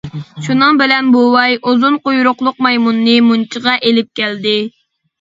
شۇنىڭ بىلەن، بوۋاي ئۇزۇن قۇيرۇقلۇق مايمۇننى مۇنچىغا ئېلىپ كەلدى.